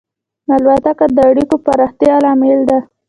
الوتکه د اړیکو پراختیا لامل ده.